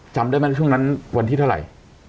จำได้ไหมช่วงนั้นวันที่เท่าไหร่